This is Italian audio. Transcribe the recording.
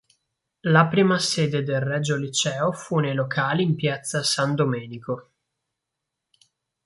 La prima sede del Regio Liceo fu nei locali in Piazza San Domenico.